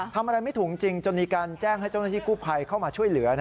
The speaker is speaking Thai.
ทำอะไรไม่ถูกจริงจนมีการแจ้งให้เจ้าหน้าที่กู้ภัยเข้ามาช่วยเหลือ